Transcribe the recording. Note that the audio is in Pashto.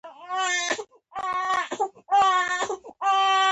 چیرې کټې لال او چیرې د بدخشان لعل.